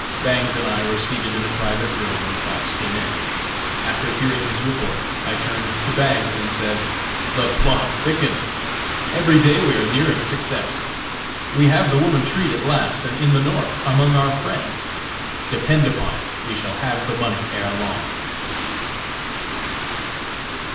Bangs and I were seated in a private room when Fox came in. After hearing his report I turned to Bangs and said: "The plot thickens! Every day we are nearing success! We have the woman treed at last, and in the North, among our friends! Depend upon it we shall have the money ere long!"